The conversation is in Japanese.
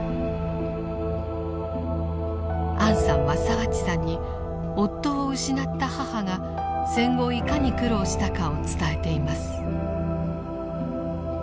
アンさんは澤地さんに夫を失った母が戦後いかに苦労したかを伝えています。